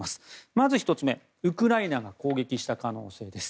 まず１つ目、ウクライナが攻撃した可能性です。